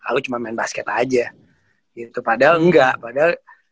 aku cuma main basket aja gitu padahal enggak padahal